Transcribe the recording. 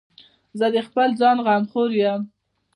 زه د خپل ځان غمخور یم.